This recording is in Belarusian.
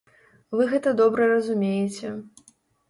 Вы гэта добра разумееце.